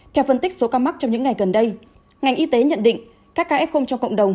theo phân tích số ca mắc trong những ngày gần đây ngành y tế nhận định các ca f trong cộng đồng